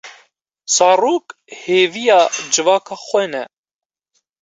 Zarok hêviya civaka xwe ne.